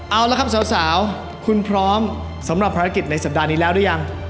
เอาละครับสาวคุณพร้อมสำหรับภารกิจในสัปดาห์นี้แล้วหรือยัง